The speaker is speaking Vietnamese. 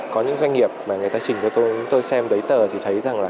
có những doanh nghiệp mà người ta chỉnh cho tôi tôi xem đấy tờ thì thấy rằng là